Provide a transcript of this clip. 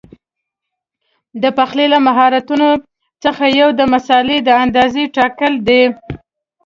د پخلي له مهارتونو څخه یو د مسالې د اندازې ټاکل دي.